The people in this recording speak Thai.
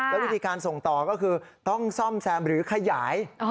แล้ววิธีการส่งต่อก็คือต้องซ่อมแซมหรือขยาย